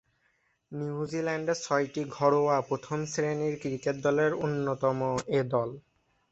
নিউজিল্যান্ডের ছয়টি ঘরোয়া প্রথম-শ্রেণীর ক্রিকেট দলের অন্যতম এ দল।